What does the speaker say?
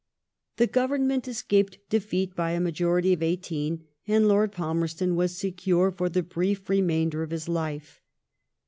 The Oovemment escaped defeat by a majority of eighteeD, and Lord Palmerston was secure for the brief remainder of his life.